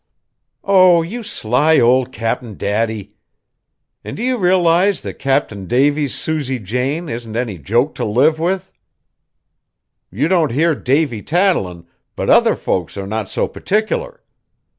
"Oh! you sly old Cap'n Daddy! And do you realize that Cap'n Davy's Susan Jane isn't any joke to live with? You don't hear Davy tattling, but other folks are not so particular.